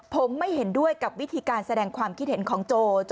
ผมไม่เห็นด้วยกับวิธีการแสดงความคิดเห็นของโจ